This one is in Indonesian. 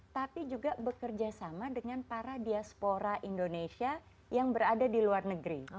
tapi juga bekerja sama dengan para diaspora indonesia yang berada di luar negeri